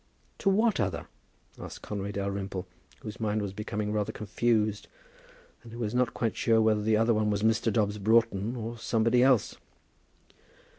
"To what other?" asked Conway Dalrymple, whose mind was becoming rather confused, and who was not quite sure whether the other one was Mr. Dobbs Broughton, or somebody else.